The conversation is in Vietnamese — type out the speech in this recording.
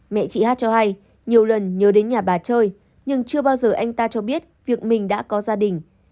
mẹ chị hát cho hay nhiều lần nhớ đến nhà bà chơi nhưng chưa bao giờ anh ta cho biết việc mình đã có gia đình